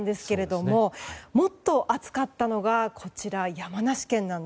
もっと暑かったのが山梨県。